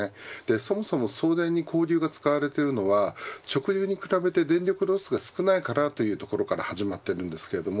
そもそも送電に交流が使われているのは直流に比べて電力ロスが少ないからというところから始まっています。